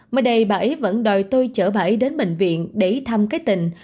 mới đây bà ấy vẫn đòi tôi chở bà ấy đến bệnh viện để thăm cái tình